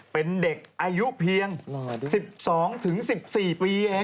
เป็นเด็กอายุเพียง๑๒๑๔ปีเอง